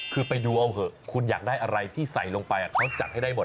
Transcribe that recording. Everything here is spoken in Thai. คือไปดูเอาเหอะคุณอยากได้อะไรที่ใส่ลงไปเขาจัดให้ได้หมด